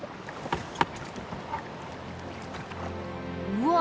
うわ！